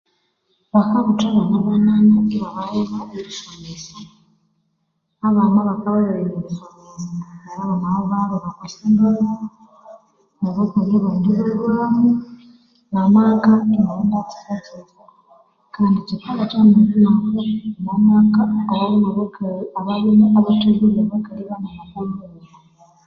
Bakabutha bana banene abalimwa eribasomesya bakabya babirilemwa eribasomesya neryo abana ibalhwa nabakali abandi ibalhwamo neryo amaka iniayenda kityakitya